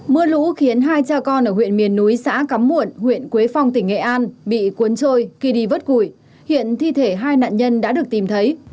mưa lũ khiến hai cha con ở huyện miền núi xã cắm muộn huyện quế phong tỉnh nghệ an bị cuốn trôi khi đi vớt củi hiện thi thể hai nạn nhân đã được tìm thấy